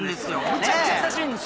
むちゃくちゃ優しいんですよ！